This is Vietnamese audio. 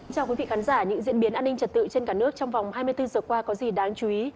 chào quý vị khán giả những diễn biến an ninh trật tự trên cả nước trong vòng hai mươi bốn giờ qua có gì đáng chú ý